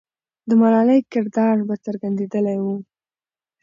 د ملالۍ کردار به څرګندېدلی وو.